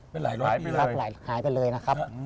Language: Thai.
เป็นหลายร้อยปีครับหายไปเลยนะครับ